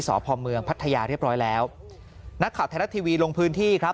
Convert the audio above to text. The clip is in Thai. สพเมืองพัทยาเรียบร้อยแล้วนักข่าวไทยรัฐทีวีลงพื้นที่ครับ